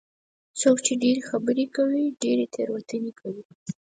څوک چې ډېرې خبرې کوي، ډېرې تېروتنې کوي.